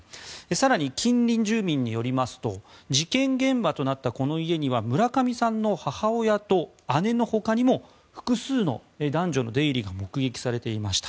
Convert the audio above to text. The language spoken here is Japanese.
更に、近隣住民によりますと事件現場となったこの家には村上さんの母親と姉のほかにも複数の男女の出入りが目撃されていました。